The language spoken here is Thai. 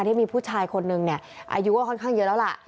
ที่มีผู้ชายคนนึงเนี่ยอายุก็ค่อนข้างเยอะแล้วล่ะ